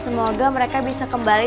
semoga mereka bisa kembali